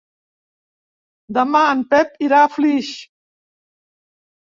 Demà en Pep irà a Flix.